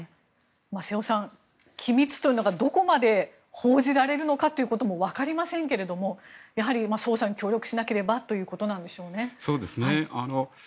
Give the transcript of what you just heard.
瀬尾さん、機密というのがどこまで報じられるのかも分かりませんけれどもやはり捜査に協力しなければということなんでしょうね。